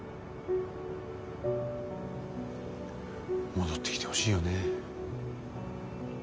戻ってきてほしいよね。